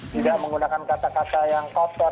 tidak menggunakan kata kata yang kotor